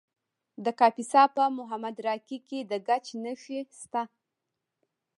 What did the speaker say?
د کاپیسا په محمود راقي کې د ګچ نښې شته.